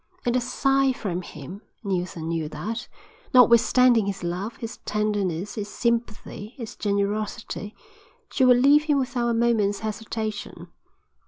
At a sign from him, Neilson knew that, notwithstanding his love, his tenderness, his sympathy, his generosity, she would leave him without a moment's hesitation.